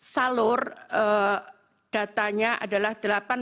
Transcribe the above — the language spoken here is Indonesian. salur datanya adalah delapan belas enam puluh dua